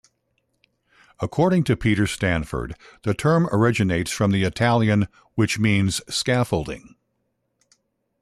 According to Peter Stanford the term originates from the Italian ', which means scaffolding.